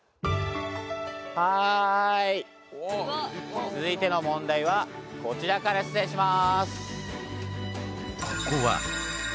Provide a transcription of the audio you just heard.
はい続いての問題はこちらから出題します。